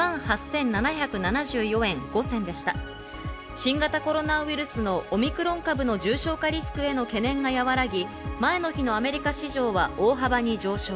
新型コロナウイルスのオミクロン株の重症化リスクへの懸念が和らぎ、前の日のアメリカ市場は大幅に上昇。